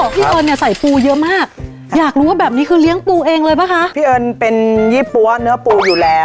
พี่เอิญเนี่ยใส่ปูเยอะมากอยากรู้ว่าแบบนี้คือเลี้ยงปูเองเลยป่ะคะพี่เอิญเป็นยี่ปั๊วเนื้อปูอยู่แล้ว